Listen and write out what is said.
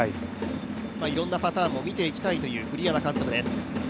いろんなパターンも見ていきたいという栗山監督です。